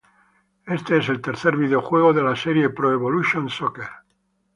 Este es el tercer videojuego de la serie Pro Evolution Soccer.